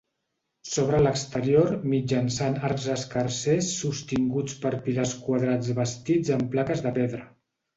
S'obre a l'exterior mitjançant arcs escarsers sostinguts per pilars quadrats bastits amb plaques de pedra.